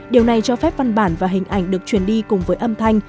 điều này cho phép văn bản và hình ảnh được truyền đi cùng với âm thanh